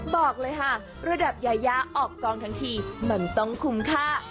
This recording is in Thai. บอกเลยค่ะระดับยายาออกกองทั้งทีมันต้องคุ้มค่า